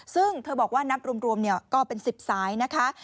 ซึ่งเธอบอกว่านับรวมก็เป็น๑๐สายนะคะ